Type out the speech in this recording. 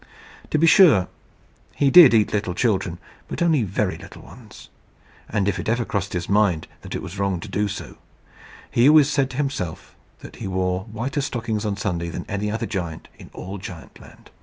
To be sure he did eat little children, but only very little ones; and if ever it crossed his mind that it was wrong to do so, he always said to himself that he wore whiter stockings on Sunday than any other giant in all Giantland.